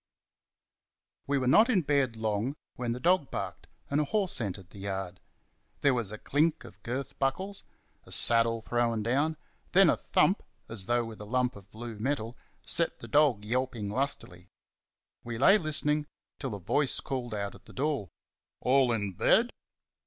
We were not in bed long when the dog barked and a horse entered the yard. There was a clink of girth buckles; a saddle thrown down; then a thump, as though with a lump of blue metal, set the dog yelping lustily. We lay listening till a voice called out at the door "All in bed?"